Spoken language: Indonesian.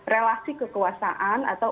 relasi kekuasaan atau